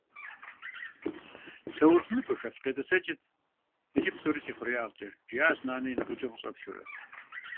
«Таурыхъныбэхэ, фӏыкъетӏысӏэкӏыт иджы псори си хъуреягъкӏэ»,- жиӏащ нэнэ и нэгъуджэм къыщӏэплъурэ.